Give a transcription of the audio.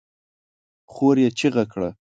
خور يې چيغه کړه!